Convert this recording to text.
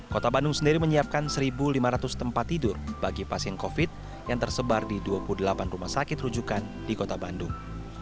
kota bandung sendiri menyiapkan satu lima ratus tempat tidur bagi pasien covid yang tersebar di dua puluh delapan rumah sakit rujukan di kota bandung